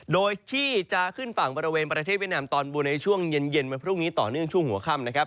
โดยที่จะขึ้นฝั่งบริเวณประเทศเวียดนามตอนบนในช่วงเย็นวันพรุ่งนี้ต่อเนื่องช่วงหัวค่ำนะครับ